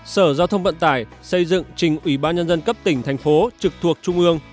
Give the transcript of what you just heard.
sở giao thông vận tải xây dựng trình ủy ban nhân dân cấp tỉnh thành phố trực thuộc trung ương